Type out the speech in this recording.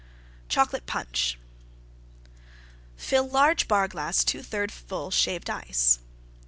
CHOCOLATE PUNCH Fill large Bar glass 2/3 full Shaved Ice.